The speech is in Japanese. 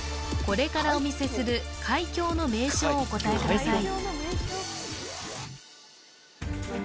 これからお見せする海峡の名称をお答えください